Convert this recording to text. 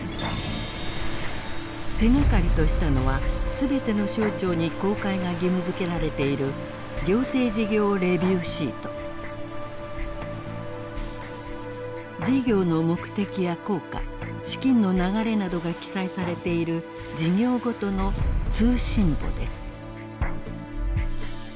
手がかりとしたのは全ての省庁に公開が義務づけられている事業の目的や効果資金の流れなどが記載されている事業ごとの通信簿です。